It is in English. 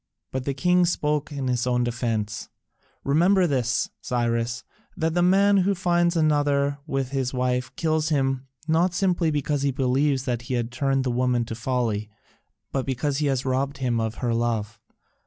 But the king spoke in his own defence: "Remember this, Cyrus, that the man who finds another with his wife kills him not simply because he believes that he has turned the woman to folly, but because he has robbed him of her love.